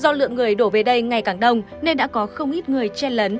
do lượng người đổ về đây ngày càng đông nên đã có không ít người chen lấn